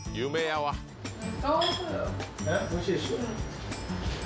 おいしいでしょ。